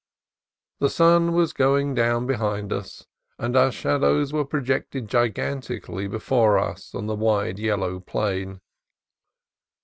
The sun was going down behind us, and our shadows were projected gigantically before us on the wide yellow plain.